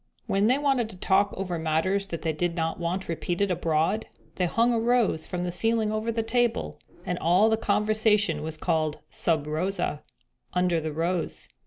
When they wanted to talk over matters that they did not want repeated abroad they hung a rose from the ceiling over the table, and all the conversation was called 'sub rosa,' 'under the rose.'